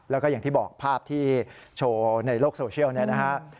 แล้วก็อย่างที่บอกภาพที่โชว์ในโลกโซเชียลเนี่ยนะฮะ